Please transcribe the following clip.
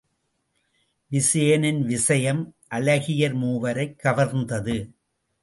விசயனின் விசயம் அழகியர் மூவரைக் கவர்ந்தது.